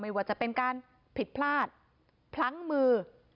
ว่าจะเป็นการผิดพลาดพลั้งมือ